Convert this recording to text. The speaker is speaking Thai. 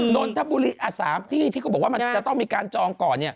นนทบุรี๓ที่ที่เขาบอกว่ามันจะต้องมีการจองก่อน